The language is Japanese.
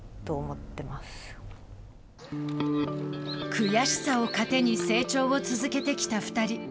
悔しさを糧に成長を続けてきた２人。